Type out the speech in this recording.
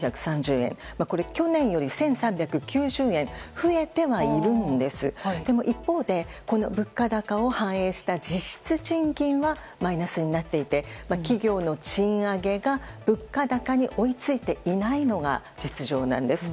これは去年より１３９０円増えてはいますが一方、物価高を反映した実質賃金はマイナスになっていて企業の賃上げが物価高に追い付いていないのが実状なんです。